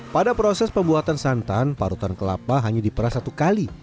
pada proses pembuatan santan parutan kelapa hanya diperah satu kali